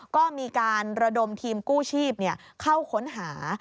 ก็มีการระดมทีมกู้ชีพเข้าค้นหา